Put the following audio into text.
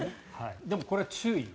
でも、これは注意です。